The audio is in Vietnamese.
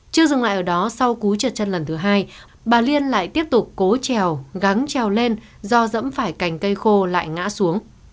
chưa dừng lại ở đó sau cú trượt chân lần thứ hai bà liên lại tiếp tục cố trèo gắn trèo lên do dẫm phải cành cây khô lại ngã xuống